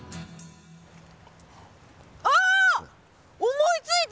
思いついた！